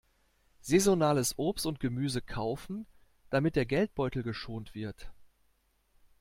Saisonales Obst und Gemüse kaufen, damit der Geldbeutel geschont wird.